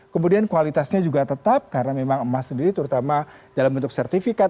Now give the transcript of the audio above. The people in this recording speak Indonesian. kemudian kualitasnya juga tetap karena memang emas sendiri terutama dalam bentuk sertifikat